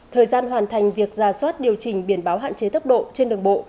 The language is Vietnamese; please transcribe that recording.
thời gian hoàn thành việc ra soát điều chỉnh biển báo hạn chế tốc độ trên đường bộ